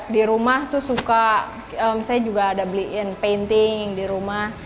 di rumah tuh suka saya juga ada beliin painting di rumah